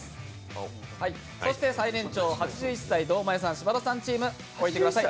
そして最年長８１歳、堂前さん、柴田さんチーム、置いてください。